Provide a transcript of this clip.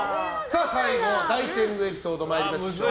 最後大天狗エピソード参りましょう。